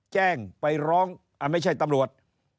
แจ้งไปร้องไม่ใช่ตำรวจ